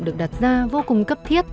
được đặt ra vô cùng cấp thiết